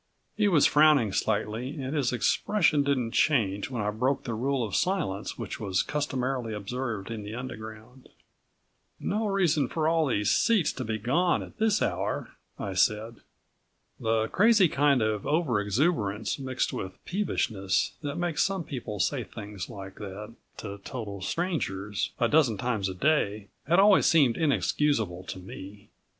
He was frowning slightly and his expression didn't change when I broke the rule of silence which was customarily observed in the Underground. "No reason for all the seats to be gone at this hour," I said. The crazy kind of over exuberance mixed with peevishness that makes some people say things like that to total strangers a dozen times a day had always seemed inexcusable to me.